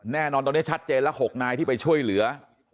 แน่นอนตอนนี้ชัดเจนละ๖นายที่ไปช่วยเหลือ